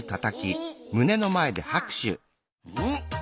うん！